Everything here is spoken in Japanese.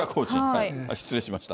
失礼しました。